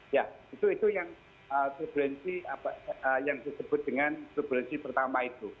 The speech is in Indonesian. ya itu yang turbulensi yang disebut dengan turbulensi pertama itu